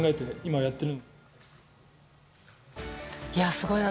すごいな。